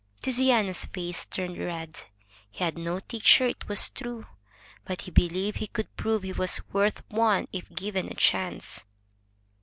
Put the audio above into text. Tiziano's face turned red. He had no teacher, it was true. But he believed he could prove he was worth one if given a chance.